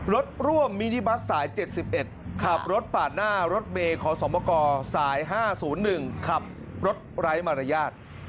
รถร่วมมินิบัสสาย๗๑ขับรถปาดหน้ารถเมย์ขอสมกสาย๕๐๑ขับรถไร้มารยาท